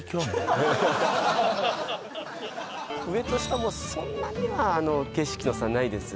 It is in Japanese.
上と下もそんなには景色の差ないです